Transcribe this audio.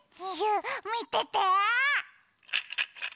みてて！